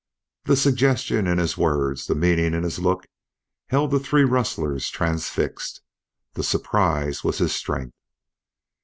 The suggestion in his words, the meaning in his look, held the three rustlers transfixed. The surprise was his strength.